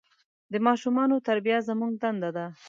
د ماشومان تربیه زموږ دنده ده.